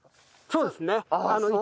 そうですね。